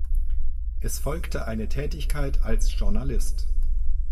Es folgte eine Tätigkeit als Journalist.